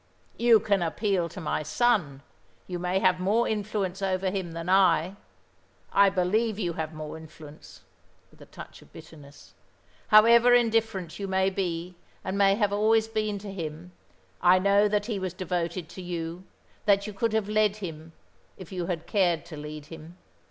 "You can appeal to my son. You may have more influence over him than I. I believe you have more influence," with a touch of bitterness. "However indifferent you may be, and may have always been to him, I know that he was devoted to you, that you could have led him, if you had cared to lead him.